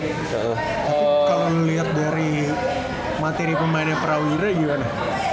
tapi kalau lo lihat dari materi pemainnya prawira gimana